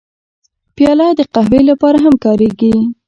پیاله د قهوې لپاره هم کارېږي.